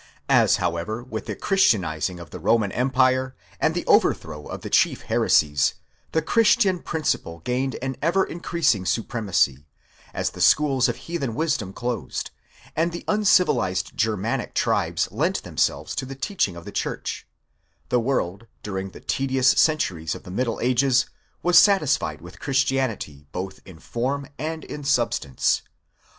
As however with the christianizing of the Roman empire, and the overthrow of the chief heresies, the christian principle gained an ever increasing supremacy ; as the schools of heathen wisdom closed ; and the un civilized Germanic tribes lent themselves to the teaching of the church ;—the world, during the tedious centuries of the middle ages, was satisfied with Christianity, both in form and in substance.